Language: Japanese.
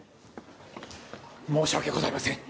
申し訳ございません！